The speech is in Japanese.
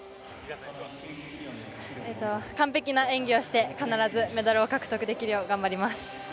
完璧な演技をして必ずメダルを獲得できるよう頑張ります。